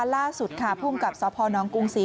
ล่าสุดค่ะภูมิกับสพนกรุงศรี